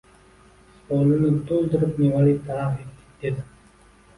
«Hovlini to‘ldirib mevali daraxt ekdik, — dedi.